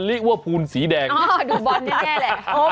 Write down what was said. เรียกว่าภูลสีแดงอ๋อดูบอลแน่แหละ